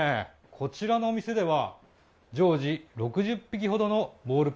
こちらの店では常時６０匹ほどのボール